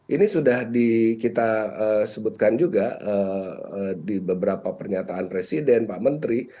ini sudah kita sebutkan juga di beberapa pernyataan presiden pak menteri